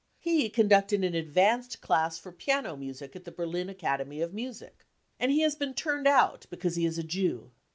He conducted an advanced class for piano music at the Berlin Academy of Music ; and he has been turned out because he is a Jew.